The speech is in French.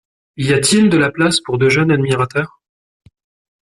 Y a-t-il de la place pour deux jeunes admirateurs?